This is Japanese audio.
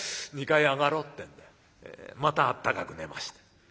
２階へ上がろう」ってんでまたあったかく寝ました。